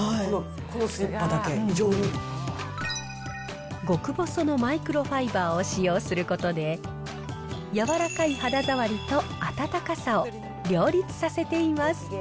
このスリッパだけ、極細のマイクロファイバーを使用することで、柔らかい肌触りと暖かさを両立させています。